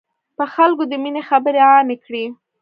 په خلکو د ميني خبري عامي کړی.